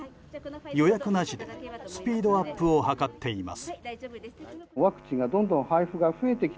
予約なしでスピードアップを図っています。